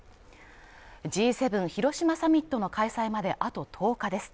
Ｇ７広島サミットの開催まであと１０日です。